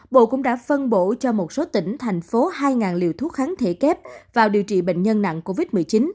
bộ cũng đã phân bổ cho một số tỉnh thành phố hai liều thuốc kháng thể kép vào điều trị bệnh nhân nặng covid một mươi chín